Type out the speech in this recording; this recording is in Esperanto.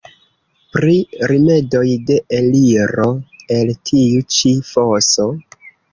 Pri rimedoj de eliro el tiu ĉi foso?